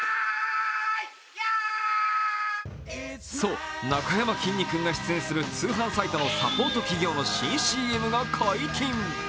そう、なかやまきんに君が出演する通販サイトのサポート企業の新ＣＭが解禁。